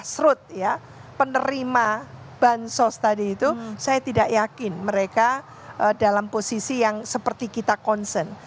tsrooth ya penerima bansos tadi itu saya tidak yakin mereka dalam posisi yang seperti kita concern